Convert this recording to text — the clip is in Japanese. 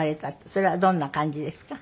それはどんな感じですか？